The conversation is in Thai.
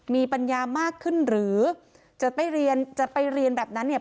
มีปัญญามากขึ้นหรือจะไปเรียนจะไปเรียนแบบนั้นเนี่ย